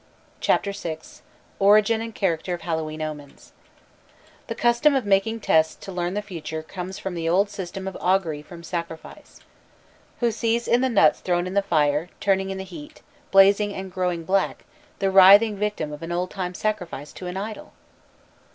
_ CHAPTER VI ORIGIN AND CHARACTER OF HALLOWE'EN OMENS The custom of making tests to learn the future comes from the old system of augury from sacrifice. Who sees in the nuts thrown into the fire, turning in the heat, blazing and growing black, the writhing victim of an old time sacrifice to an idol?